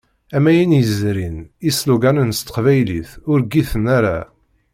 Am ayen yezrin, isloganen s teqbaylit ur ggiten ara.